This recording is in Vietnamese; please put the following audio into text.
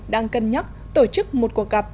đang cân nhắc tổ chức một cuộc gặp